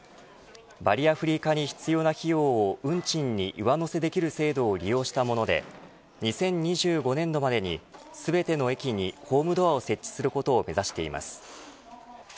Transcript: バリアフリー化に必要な費用を運賃に上乗せできる制度を利用したもので２０２５年度までに全ての駅にホームドアを設置することを目指しています。